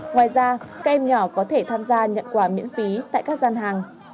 ngoài ra các em nhỏ có thể tham gia nhận quà miễn phí tại các gian hàng